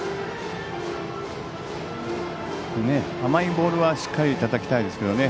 甘いボールはしっかりたたきたいですけどね。